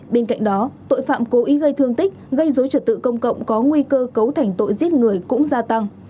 bên cạnh đó tội phạm cố ý gây thương tích gây dối trật tự công cộng có nguy cơ cấu thành tội giết người cũng gia tăng